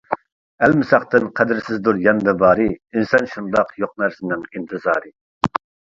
ئەلمىساقتىن قەدىرسىزدۇر ياندا بارى، ئىنسان شۇنداق يوق نەرسىنىڭ ئىنتىزارى.